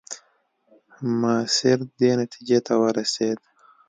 ماسیر دې نتیجې ته ورسېد.